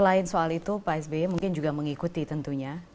dan soal itu pak sby mungkin juga mengikuti tentunya